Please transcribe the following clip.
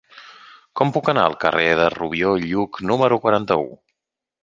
Com puc anar al carrer de Rubió i Lluch número cinquanta-u?